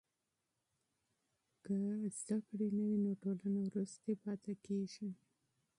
که علم نه وي نو ټولنه وروسته پاتې کېږي.